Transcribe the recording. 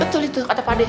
betul itu kata pak d